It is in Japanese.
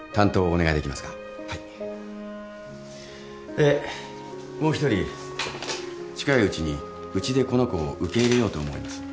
えーもう一人近いうちにうちでこの子を受け入れようと思います。